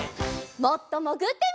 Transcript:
もっともぐってみよう。